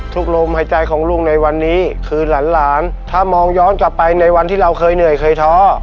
ลมหายใจของลุงในวันนี้คือหลานถ้ามองย้อนกลับไปในวันที่เราเคยเหนื่อยเคยท้อ